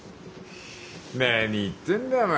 何言ってんだお前！